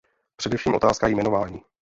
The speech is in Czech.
Především otázka jmenování.